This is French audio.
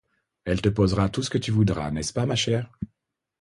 Elle te posera tout ce que tu voudras, n'est-ce pas, ma chère?